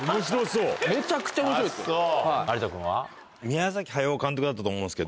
めちゃくちゃおもしろいです